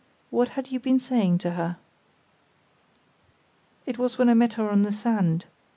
What had you been saying to her?" "It was when I met her on the sand.